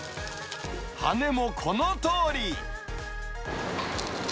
羽根もこのとおり。